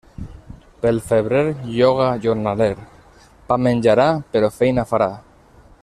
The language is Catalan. Pel febrer lloga jornaler; pa menjarà, però feina farà.